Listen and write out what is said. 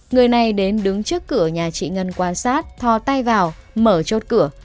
người này đến đứng trước cửa nhà chị ngân quan sát thò tay vào mở chốt cửa